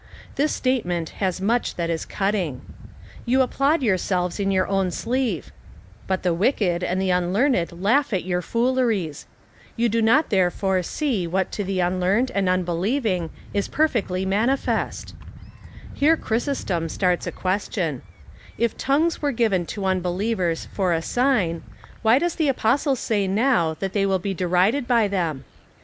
This statement has much that is cutting :" You applaud yourselves in your own sleeve ; but the wicked and the un learned laugh at your fooleries. You do not, therefore, see CHAP. XIV. 24. FIRST EPISTLE TO THE CORINTHIANS. 455 what to the unlearned and unbelieving is perfectly mani fest." Here Chrysostom starts a question :" If tongues were given to unbelievers for a sign, why does the Apostle say now, that they will be derided by them?"